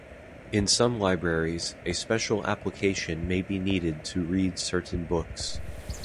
In some libraries, a special application may be needed to read certain books.